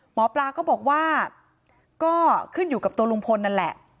หมอปลาก็บอกว่าก็ขึ้นอยู่กับตัวลุงพลนั่นแหละ